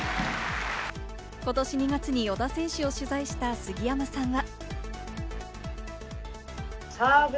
ことし２月に小田選手を取材した杉山さんは。